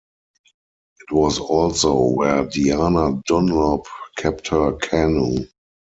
It was also where Diana Dunlop kept her canoe.